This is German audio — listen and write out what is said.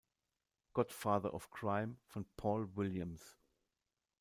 Godfather of Crime" von Paul Williams.